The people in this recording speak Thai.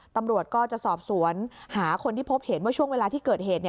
ตำรวจก็จะสอบสวนหาคนที่พบเห็นว่าช่วงเวลาที่เกิดเหตุ